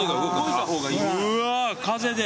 うわ風で。